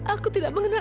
aku tidak mengenal